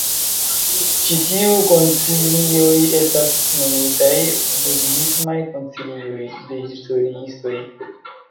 Ĉi tiuj koncilioj estas nomitaj "budhismaj koncilioj" de historiistoj.